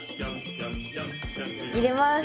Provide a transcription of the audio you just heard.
入れます。